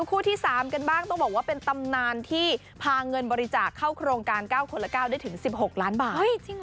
คู่ที่๓กันบ้างต้องบอกว่าเป็นตำนานที่พาเงินบริจาคเข้าโครงการ๙คนละ๙ได้ถึง๑๖ล้านบาท